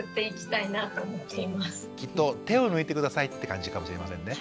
きっと手を抜いて下さいって感じかもしれませんね。